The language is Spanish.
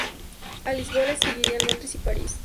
A Lisboa le seguirían Londres y París.